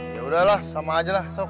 ya udah lah sama aja lah sok